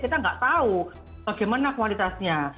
kita nggak tahu bagaimana kualitasnya